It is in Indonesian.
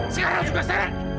sekarang juga seret